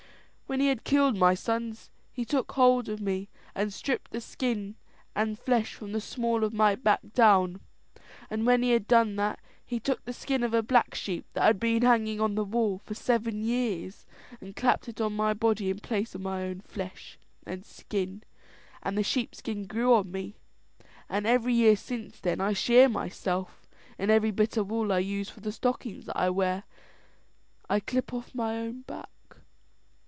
"When he had killed my sons he took hold of me and stripped the skin and flesh from the small of my back down, and when he had done that he took the skin of a black sheep that had been hanging on the wall for seven years and clapped it on my body in place of my own flesh and skin; and the sheepskin grew on me, and every year since then I shear myself, and every bit of wool I use for the stockings that I wear I clip off my own back."